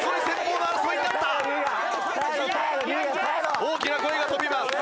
大きな声が飛びます。